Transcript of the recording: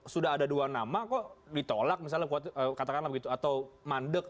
sudah ada dua nama kok ditolak misalnya katakanlah begitu atau mandek